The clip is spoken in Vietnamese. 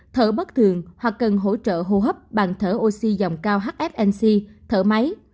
thở bất thường hoặc cần hỗ trợ hô hấp bằng thở oxy dòng cao hfnc thở máy